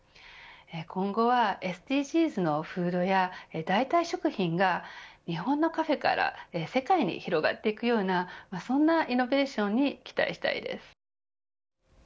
今後はＳＤＧｓの風土や代替食品が日本のカフェから世界に広がっていくようなそんなイノベーションに期待したいです。